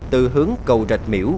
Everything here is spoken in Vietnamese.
từ hướng cầu rạch miểu